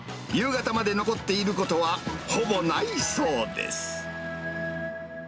夕方まで残っていることは、ほぼないそうです。